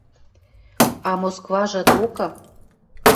А Москважы докы